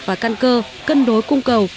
và căn cơ cân đối cung cầu